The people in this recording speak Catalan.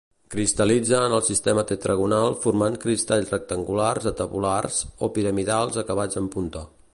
Cristal·litza en el sistema tetragonal formant cristalls rectangulars a tabulars, o piramidals acabats en punta.